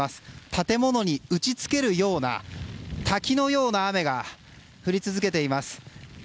建物に打ち付けるような滝のような雨が降り続けています。